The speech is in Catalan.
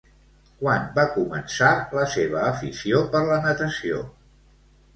Quan va començar la seva afició per la natació?